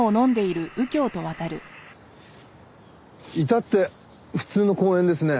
至って普通の公園ですね。